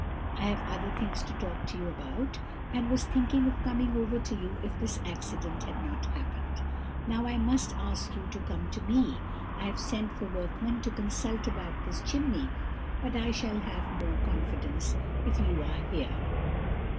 I have other things to talk to you about, and was thinking of coming over to you if this accident had not happened. Now I must ask you to come to me; I have sent for workmen to consult about this chimney, but I shall have more confidence if you are here."